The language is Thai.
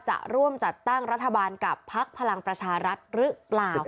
จะร่วมจัดตั้งรัฐบาลกับพักพลังประชารัฐหรือเปล่า